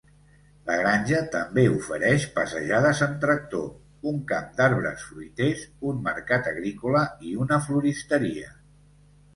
La granja també ofereix passejades amb tractor, un camp d'arbres fruiters, un mercat agrícola i una floristeria.